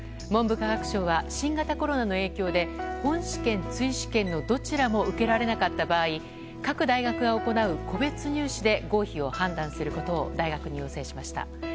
文部科学省は新型コロナの影響で本試験、追試験のどちらも受けられなかった場合各大学が行う個別入試で合否を判断することを大学に要請しました。